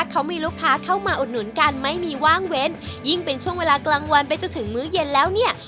เขามีลูกค้าเข้ามาอุดหนุนกันไม่มีว่างเว้นยิ่งเป็นช่วงเวลากลางวันไปจนถึงมื้อเย็นแล้วเนี่ย